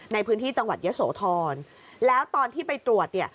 ในพื้นที่จังหวัดยะโสธรแล้วตอนที่ไปตรวจเนี่ย